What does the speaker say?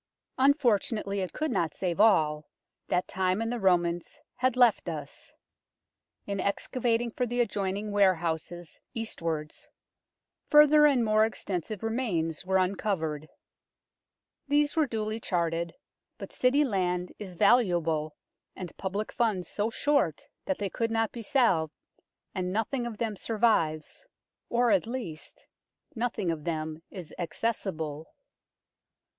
Unfortunately it could not save all that time and the Romans had left us. In excavating for the adjoining warehouses east wards, further and more extensive remains were uncovered. These were duly charted, but City land is valuable and public funds so short that they could not be salved, and nothing of them survives or, at least, nothing of them is acces sible.